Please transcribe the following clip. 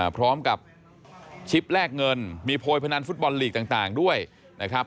พร้อมกับชิปแลกเงินมีโพยพนันฟุตบอลลีกต่างด้วยนะครับ